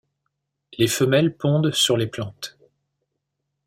Les femelles pondent sur les plantes.